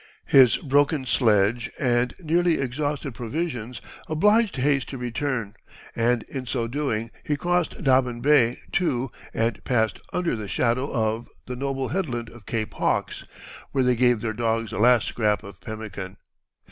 His broken sledge and nearly exhausted provisions obliged Hayes to return, and in so doing he crossed Dobbin Bay to, and passed under the shadow of, the noble headland of Cape Hawks, where they gave their dogs the last scrap of pemican.